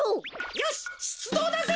よししゅつどうだぜ！